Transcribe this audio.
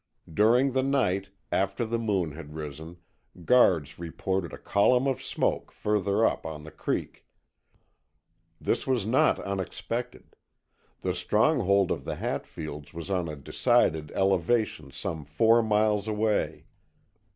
During the night, after the moon had risen, guards reported a column of smoke further up on the creek. This was not unexpected. The stronghold of the Hatfields was on a decided elevation some four miles away.